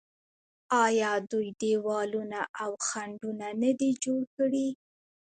آیا دوی دیوالونه او خندقونه نه دي جوړ کړي؟